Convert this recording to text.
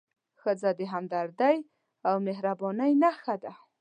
ښځه د همدردۍ او مهربانۍ نښه ده.